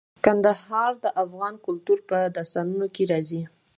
کندهار د افغان کلتور په داستانونو کې راځي.